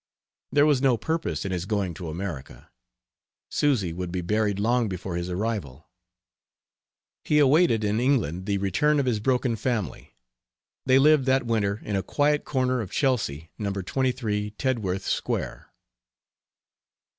There was no purpose in his going to America; Susy would be buried long before his arrival. He awaited in England the return of his broken family. They lived that winter in a quiet corner of Chelsea, No. 23 Tedworth Square.